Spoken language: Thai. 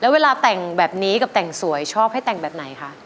เวลาแต่งแบบนี้กับแต่งสวยชอบให้แต่งแบบไหนคะ